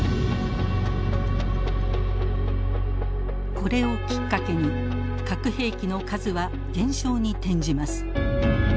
これをきっかけに核兵器の数は減少に転じます。